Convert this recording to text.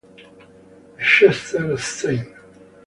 The Chester stn.